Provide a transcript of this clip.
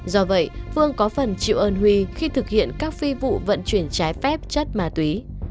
do vậy phương có phần triệu ơn huy khi thực hiện các phi vụ vận chuyển trái phép chất ma túy